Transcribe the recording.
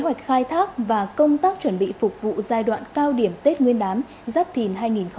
kế hoạch khai thác và công tác chuẩn bị phục vụ giai đoạn cao điểm tết nguyên đán giáp thìn hai nghìn hai mươi bốn